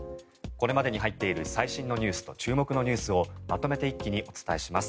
これまでに入っている最新ニュースと注目ニュースをまとめて一気にお伝えします。